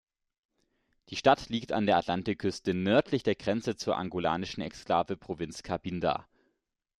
Die Stadt liegt an der Atlantikküste, nördlich der Grenze zur angolanischen Exklave Provinz Cabinda.